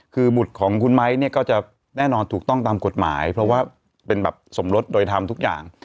คือบุตรของคุณไม้เนี่ยก็จะแน่นอนถูกต้องตามกฎหมายเพราะว่าเป็นแบบสมรสโดยทำทุกอย่าง